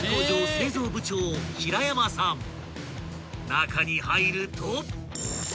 ［中に入ると］